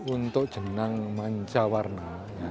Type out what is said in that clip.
untuk jenang manca warna